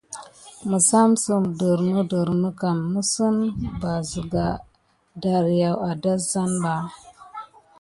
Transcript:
Məssamsəm dernədernə kam misine basika darkiwa adasan ba.